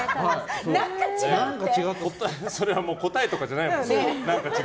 それはもう答えとかじゃないもんね。